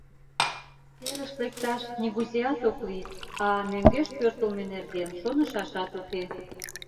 Серыш лекташ нигузеат ок лий, а мӧҥгеш пӧртылмӧ нерген шонышашат уке.